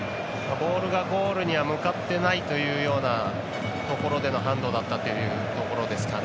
ボールがゴールには向かっていないというようなところでのハンドだったというところですかね。